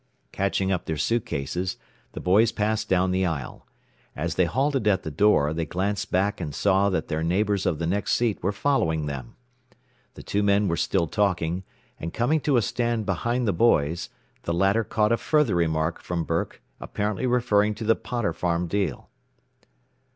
Catching up their suitcases, the boys passed down the aisle. As they halted at the door, they glanced back and saw that their neighbors of the next seat were following them. The two men were still talking; and coming to a stand behind the boys, the latter caught a further remark from Burke apparently referring to the Potter farm deal.